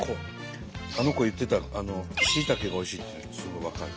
あの子言ってたしいたけがおいしいっていうのすごい分かる。